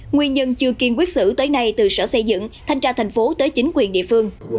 nguyên nhân chưa kiên quyết xử tới nay từ sở xây dựng thanh tra thành phố tới chính quyền địa phương